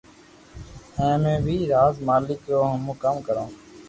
اي مي بي راز مالڪ رو ھمو ڪاو ڪرو